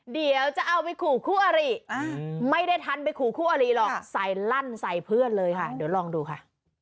เดี๋ยวจะเอาไปขู่คู่อริไม่ได้ทันไปขู่คู่อารีหรอกใส่ลั่นใส่เพื่อนเลยค่ะเดี๋ยวลองดูค่ะ